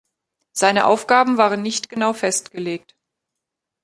Seine Aufgaben waren nicht genau festgelegt.